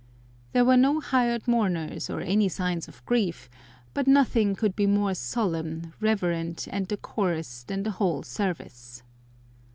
There were no hired mourners or any signs of grief, but nothing could be more solemn, reverent, and decorous than the whole service.